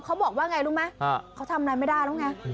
เขาบอกว่าไงรู้ไหมเขาทำอะไรไม่ได้แล้วไง